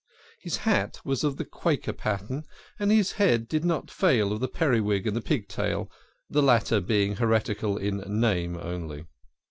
His hat was of the Quaker pattern, and his head did not fail of the periwig and the pigtail, the latter being heretical in name only.